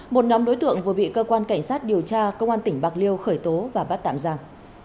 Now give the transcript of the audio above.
một nhóm đối tượng vừa bị cơ quan cảnh sát điều tra công an tỉnh bạc liêu khởi tố và bắt tạm giam